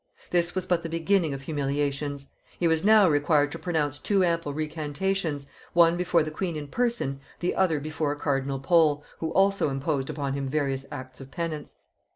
This was but the beginning of humiliations: he was now required to pronounce two ample recantations, one before the queen in person, the other before cardinal Pole, who also imposed upon him various acts of penance.